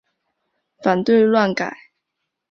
反对乱改！